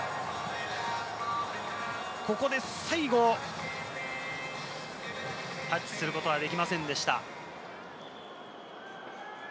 ここで最後、タッチすることはできませんでした。